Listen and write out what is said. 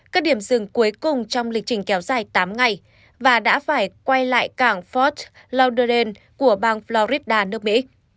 các điểm dừng cuối cùng trong lịch trình kéo dài tám ngày và đã phải quay lại cảng fort loudoren của bang florida nước mỹ